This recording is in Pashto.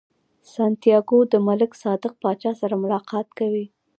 سانتیاګو د ملک صادق پاچا سره ملاقات کوي.